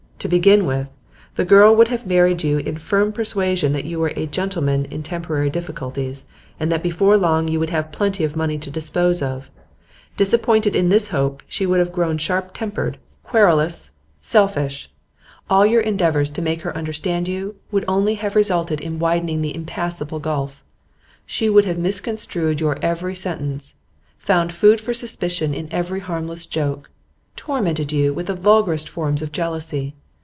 To begin with, the girl would have married you in firm persuasion that you were a "gentleman" in temporary difficulties, and that before long you would have plenty of money to dispose of. Disappointed in this hope, she would have grown sharp tempered, querulous, selfish. All your endeavours to make her understand you would only have resulted in widening the impassable gulf. She would have misconstrued your every sentence, found food for suspicion in every harmless joke, tormented you with the vulgarest forms of jealousy.